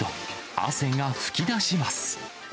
汗が噴き出します。